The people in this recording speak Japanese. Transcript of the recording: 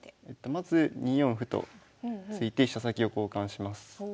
まず２四歩と突いて飛車先を交換します。